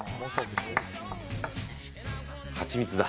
ハチミツだ。